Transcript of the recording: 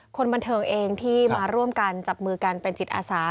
คนบันเทิงเองที่มาร่วมกันจับมือกันเป็นจิตอาสา